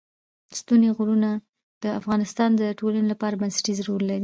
ستوني غرونه د افغانستان د ټولنې لپاره بنسټيز رول لري.